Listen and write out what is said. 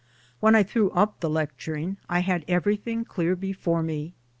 When I threw up the lecturing I had every thing clear before me.